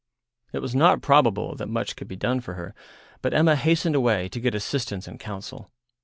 It was not probable that much could be done for her, but Emma hastened away to get assistance and counsel.